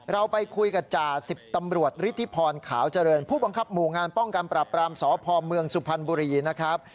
เราไปคุยกับจ่าสิบตำรวจฤทธิพรขาวเจริญผู้บังคับหมู่งานป้องกันปรับปรามสพเมืองสุพรรณบุรีนะครับ